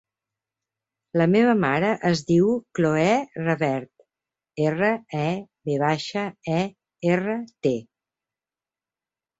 La meva mare es diu Cloè Revert: erra, e, ve baixa, e, erra, te.